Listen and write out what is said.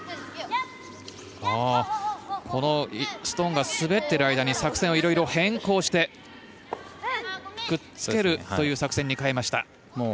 ストーンが滑っている間に作戦をいろいろ変更してくっつけるという作戦に変えました。